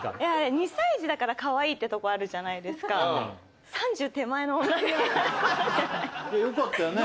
２歳児だからかわいいってところがあるじゃないですかよかったよね？